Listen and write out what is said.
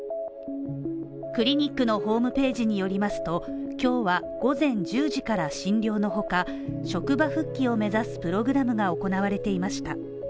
クリニックのホームページによりますと、今日は午前１０時から診療の他職場復帰を目指すプログラムが行われていました。